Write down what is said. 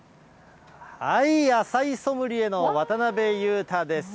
野菜ソムリエの渡辺裕太です。